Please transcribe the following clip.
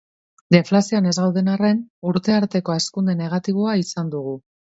Deflazioan ez gauden arren, urte arteko hazkunde negatiboa izan dugu.